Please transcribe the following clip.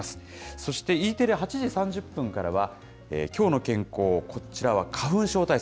そして、Ｅテレ８時３０分からは、きょうの健康、こちらは花粉症対策。